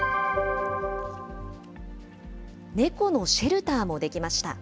猫のシェルターも出来ました。